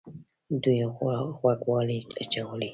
دوی غوږوالۍ اچولې